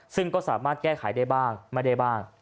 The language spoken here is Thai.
ซึ่งก็สามารถแก้ไขได้บ้างไม่ได้บ้าง